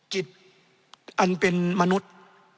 จิตอันเป็นมนุษย์